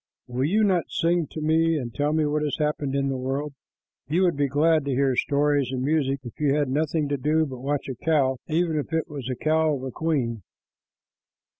Will you not sing to me, and tell me what has happened in the world? You would be glad to hear stories and music if you had nothing to do but watch a cow, even if it was the cow of a queen."